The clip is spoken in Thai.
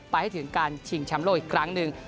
ให้ถึงการชิงแชมป์โลกอีกครั้งหนึ่ง